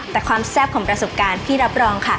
แต่ความแซ่บของประสบการณ์พี่รับรองค่ะ